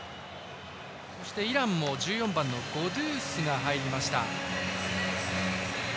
そしてイランも１４番のゴドゥースが入りました。